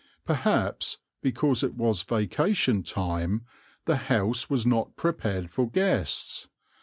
Perhaps because it was vacation time, the house was not prepared for guests.